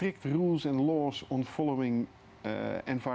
untuk mengejar tindakan lingkungan